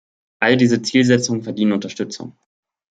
All diese Zielsetzungen verdienen Unterstützung.